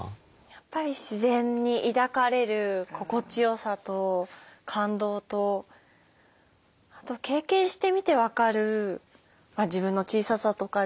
やっぱり自然に抱かれる心地よさと感動とあと経験してみて分かる自分の小ささとかですかね。